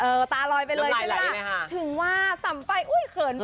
เออตาลอยไปเลยถึงว่าสัมไปอุ๊ยเขินไป